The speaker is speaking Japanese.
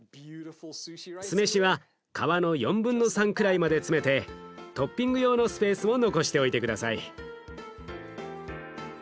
酢飯は皮の４分の３くらいまで詰めてトッピング用のスペースを残しておいて下さい。